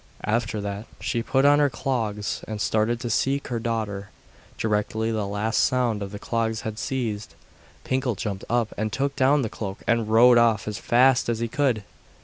After that she put on her clogs and started to seek her daughter. Directly the last sound of the clogs had ceased, Pinkel jumped up and took down the cloak, and rowed off as fast as he could.